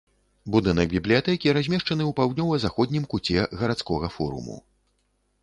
Будынак бібліятэкі размешчаны ў паўднёва-заходнім куце гарадскога форуму.